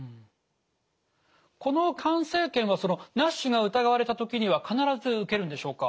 この肝生検はＮＡＳＨが疑われた時には必ず受けるんでしょうか？